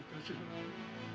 kita angkat keluar